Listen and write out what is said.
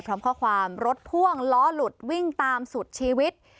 พร้อมข้อความรถพ่วงล้อหลุดวิ่งตามสุดชีวิต